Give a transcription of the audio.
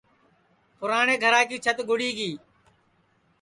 پُراٹِؔیں گھرا کی چھت گُڑی گی